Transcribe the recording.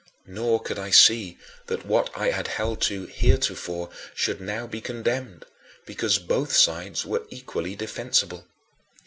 Nor could I see that what I had held to heretofore should now be condemned, because both sides were equally defensible.